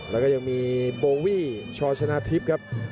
แล้วก็ยังมีโบวี่ชชนะทิพย์ครับ